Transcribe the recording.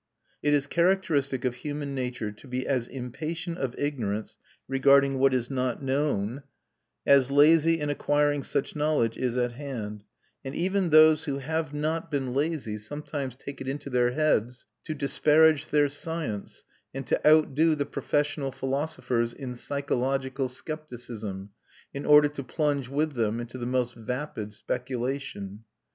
It is characteristic of human nature to be as impatient of ignorance regarding what is not known as lazy in acquiring such knowledge as is at hand; and even those who have not been lazy sometimes take it into their heads to disparage their science and to outdo the professional philosophers in psychological scepticism, in order to plunge with them into the most vapid speculation.